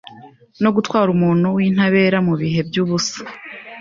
no gutwara Umuntu wintabera mubihe byubusa